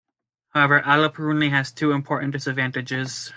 However, allopurinol has two important disadvantages.